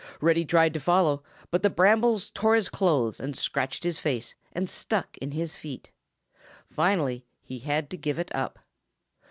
Reddy tried to follow, but the brambles tore his clothes and scratched his face and stuck in his feet. Finally he had to give it up.